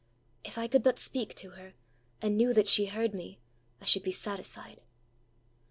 If I could but speak to her, and knew that she heard me, I should be satisfied.